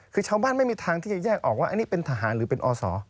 คือชาวบ้านไม่มีทางที่จะแยกออกว่าอันนี้เป็นทหารหรือเป็นอศ